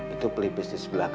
itu pelipis di sebelah kanan